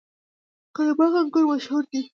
قره باغ انګور مشهور دي؟